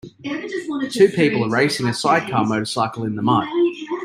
Two people are racing a sidecar motorcycle in the mud.